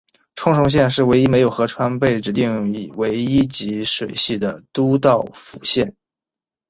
冲绳县是唯一没有河川被指定为一级水系的都道府县。